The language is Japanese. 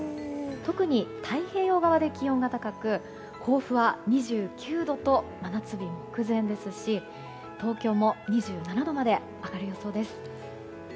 特に太平洋側で気温が高く甲府は２９度と真夏日目前ですし東京も２７度まで上がる予想です。